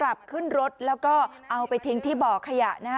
กลับขึ้นรถแล้วก็เอาไปทิ้งที่บ่อขยะนะฮะ